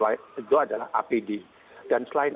itu adalah apd dan selain